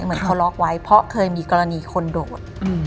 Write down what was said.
เหมือนเขาล็อกไว้เพราะเคยมีกรณีคนโดด